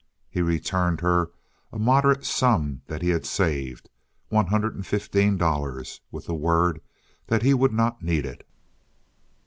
He returned her a moderate sum that he had saved—one hundred and fifteen dollars—with the word that he would not need it.